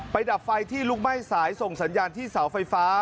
ดับไฟที่ลุกไหม้สายส่งสัญญาณที่เสาไฟฟ้า